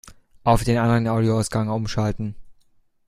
Auf den anderen Audioausgang umschalten!